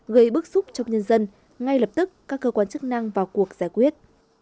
gây bức xúc trong nhân dân ngay lập tức các cơ quan chức năng vào cuộc giải quyết